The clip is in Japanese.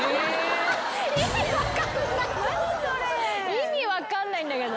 意味分かんないんだけど。